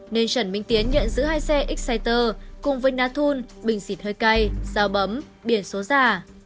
nên trần minh tiến nhận giữ hai xe exciter cùng với nathun bình xịt hơi cay sao bấm biển số giả